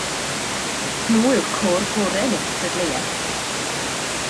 Nhw yw'r côr gorau yn y gystadleuaeth.